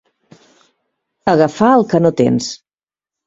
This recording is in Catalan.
Agafar el que no tens.